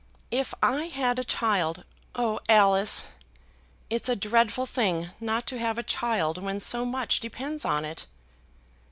"If I had a child, Oh, Alice, it's a dreadful thing not to have a child when so much depends on it!"